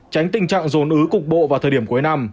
tránh tình trạng dồn ứ cục bộ vào thời điểm cuối năm